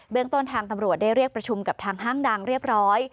เรื่องต้นทางตำรวจได้เรียกประชุมกับทางห้างดังเรียบร้อย